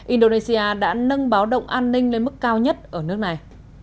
indonesia đã nâng báo động an ninh lên mức cao nhất ở nước này